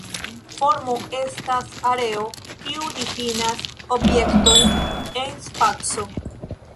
Formo estas areo, kiu difinas objektojn en spaco.